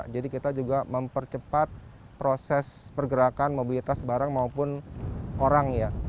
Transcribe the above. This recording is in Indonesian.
jadi kita juga mempercepat proses pergerakan mobilitas barang maupun orang ya